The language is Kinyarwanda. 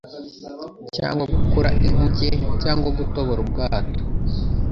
cyangwa gukora inkuge cyangwa gutobora ubwato